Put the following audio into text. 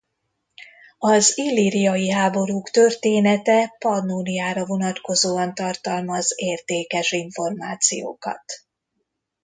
Az illíriai háborúk története Pannóniára vonatkozóan tartalmaz értékes információkat.